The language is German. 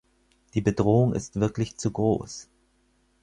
Die Bedrohung ist wirklich zu groß.